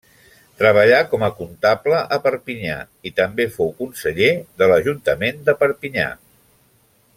Treballà com a comptable a Perpinyà i també fou conseller de l'ajuntament de Perpinyà.